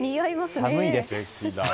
寒いです。